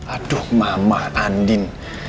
aduh mama andin